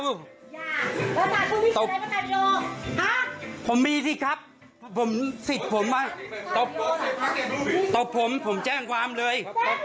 โอ้โห้ยอ้าวตกผมมีที่ครับผมสิทธิ์ผมมาตกตกผมผมแจ้งความเลย